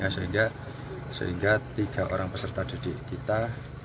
sehingga tiga orang peserta didik kita